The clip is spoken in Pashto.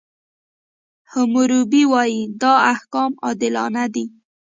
حموربي وایي، دا احکام عادلانه دي.